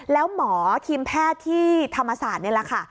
แล้วหมอทีมแพทย์ที่ธรรมศาสตร์นี่แหละค่ะ